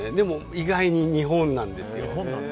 意外に日本なんですよ。